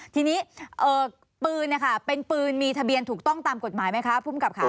ทีนี้ปืนเป็นปืนมีทะเบียนถูกต้องตามกฎหมายไหมคะภูมิกับค่ะ